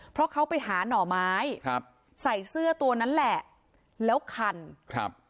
เพราะเขาไปหาหน่อไม้ครับใส่เสื้อตัวนั้นแหละแล้วคันครับ